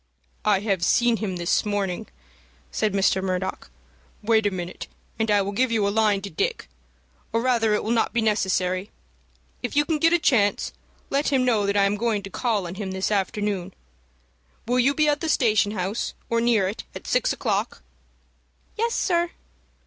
"I have seen him this morning," said Mr. Murdock. "Wait a minute, and I will give you a line to Dick; or rather it will not be necessary. If you can get a chance, let him know that I am going to call on him this afternoon. Will you be at the station house, or near it, at six o'clock?" "Yes, sir."